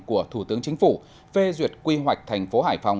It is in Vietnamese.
của thủ tướng chính phủ phê duyệt quy hoạch thành phố hải phòng